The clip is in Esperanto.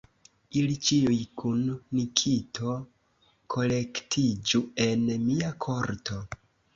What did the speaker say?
Ili ĉiuj kun Nikito kolektiĝu en mia korto.